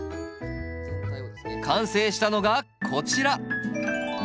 完成したのがこちら！